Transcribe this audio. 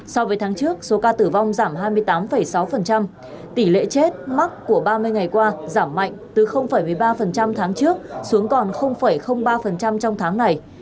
so với tháng trước số ca tử vong giảm hai mươi tám sáu tỷ lệ chết mắc của ba mươi ngày qua giảm mạnh từ một mươi ba tháng trước xuống còn ba trong tháng này